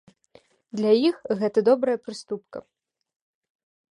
Для іх гэта добрая прыступка.